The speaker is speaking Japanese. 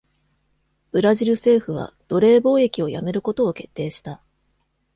ブラジル政府は奴隷貿易をやめることを決定した。